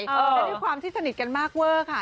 และด้วยความที่สนิทกันมากเวอร์ค่ะ